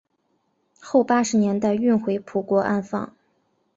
后八十年代运回葡国安放。